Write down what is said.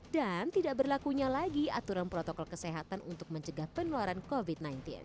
dan tidak berlakunya lagi aturan protokol kesehatan untuk mencegah penularan covid sembilan belas